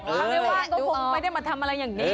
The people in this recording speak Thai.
เขาไม่ว่างก็คงไม่ได้มาทำอะไรอย่างนี้